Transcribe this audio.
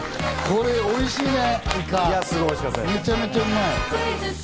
これ、おいしいわ。